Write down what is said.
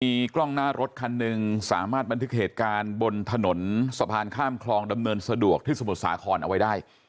มีกล้องหน้ารถคันหนึ่งสามารถบันทึกเหตุการณ์บนถนนสะพานข้ามคลองดำเนินสะดวกที่สมุทรสาครเอาไว้ได้